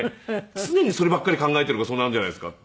「常にそればっかり考えているからそうなるんじゃないですか？」